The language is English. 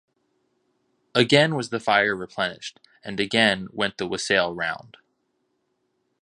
Again was the fire replenished, and again went the wassail round.